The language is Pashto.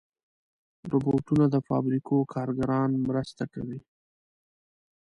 روبوټونه د فابریکو کارګران مرسته کوي.